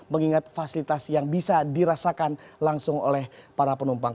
mengingat fasilitas yang bisa dirasakan langsung oleh para penumpang